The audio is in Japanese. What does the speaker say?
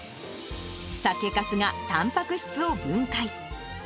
酒かすがたんぱく質を分解。